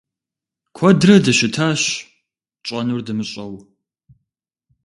Куэдрэ дыщытащ, тщӀэнур дымыщӀэу.